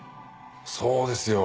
そうですよ。